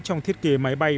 trong thiết kế máy bay